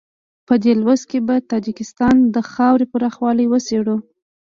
په دې لوست کې به د تاجکستان د خاورې پراخوالی وڅېړو.